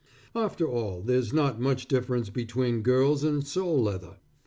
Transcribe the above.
After all there's not much difference between girls and sole leather.